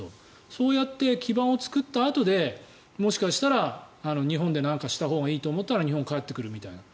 そうやって基盤を作ったあとでもしかしたら日本で何かしたほうがいいと思ったら日本に帰ってくるみたいな。